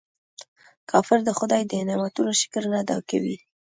کافر د خداي د نعمتونو شکر نه ادا کوي.